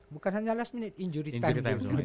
bukan hanya last minute injury time